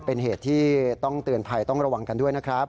เป็นเหตุที่ต้องเตือนภัยต้องระวังกันด้วยนะครับ